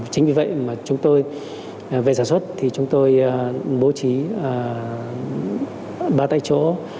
chính vì vậy mà chúng tôi về sản xuất thì chúng tôi bố trí ba tại chỗ